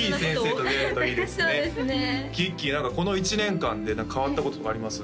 何かこの１年間で変わったこととかあります？